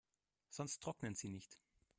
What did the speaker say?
Sonst trocknen sie nicht.